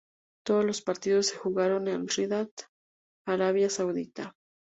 Todos los partidos se jugaron en Riyad, Arabia Saudita.